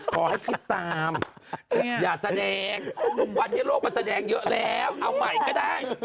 ขอให้คิดตามอย่าแสดงทุกวันนี้โลกมันแสดงเยอะแล้วเอาใหม่ก็ได้